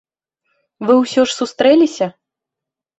Вы ўсё ж сустрэліся?